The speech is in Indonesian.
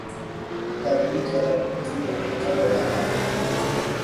Tapi jalan itu berputar dengan aneh!